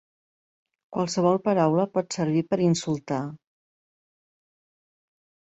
Qualsevol paraula pot servir per insultar.